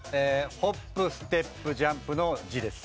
ホップステップジャンプの「じ」です。